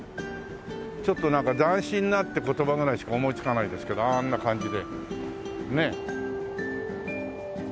ちょっとなんか「斬新な」って言葉ぐらいしか思いつかないですけどあんな感じでねっ。